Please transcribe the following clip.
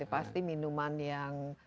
pasti minuman yang banyak gulanya